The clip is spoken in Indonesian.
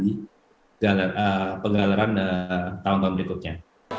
di penggalaran tahun tahun berikutnya